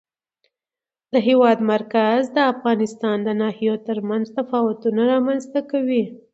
د هېواد مرکز د افغانستان د ناحیو ترمنځ تفاوتونه رامنځته کوي.